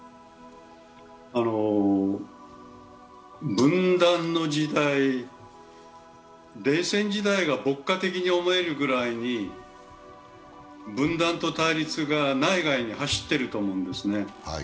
分断の時代、冷戦時代が牧歌的に思えるぐらいに分断と対立が内外に走っていると思うんですね。